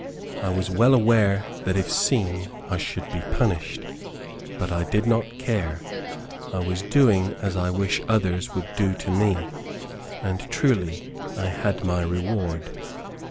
I was well aware that if seen, I should be punished, but I did not care. I was doing as I would wish others to do to me, and truly, I had my reward.